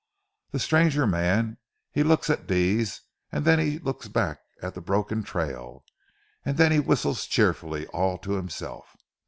"Ze stranger mans he look at dese an' den he looks back at ze broken trail, an' den he whistle cheerfully all to himself.